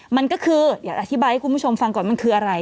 มันก็คืออยากอธิบายให้คุณผู้ชมฟังก่อนมันคืออะไร